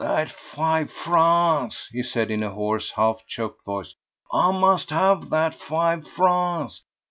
"That five francs," he said in a hoarse, half choked voice. "I must have that five francs!